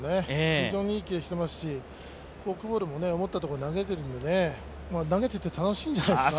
非常にいいキレしてますし、フォークボールも思ったところに投げてるので投げていて楽しいんじゃないですか。